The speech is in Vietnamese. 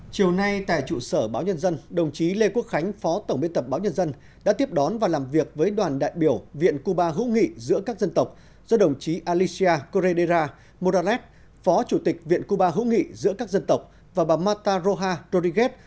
chiều nay tại trụ sở báo nhân dân đồng chí lê quốc khánh phó tổng biên tập báo nhân dân đã tiếp đón và làm việc với đoàn đại biểu viện cuba hữu nghị giữa các dân tộc do đồng chí alisia koredera modralet phó chủ tịch viện cuba hữu nghị giữa các dân tộc và bà mataroha rorigev